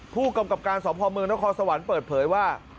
ผู้กรรมกรรมการสอบภอมเมืองนครสวรรค์เปิดเผยว่า